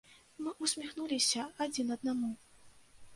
Мы ўсміхнуліся адзін аднаму.